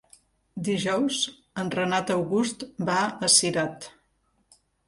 Dijous en Renat August va a Cirat.